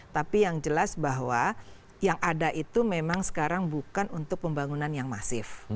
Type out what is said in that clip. tapi yang jelas bahwa yang ada itu memang sekarang bukan untuk pembangunan yang masif